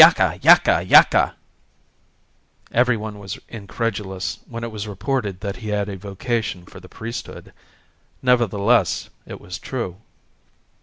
yaka, yaka, yaka!" Everyone was incredulous when it was reported that he had a vocation for the priesthood. Nevertheless it was true.